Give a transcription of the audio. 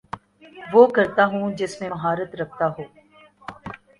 وہ کرتا ہوں جس میں مہارت رکھتا ہو